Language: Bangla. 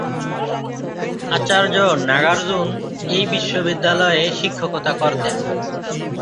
আচার্য নাগার্জুন এই বিশ্ববিদ্যালয়ে শিক্ষকতা করতেন।